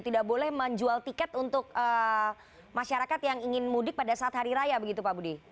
tidak boleh menjual tiket untuk masyarakat yang ingin mudik pada saat hari raya begitu pak budi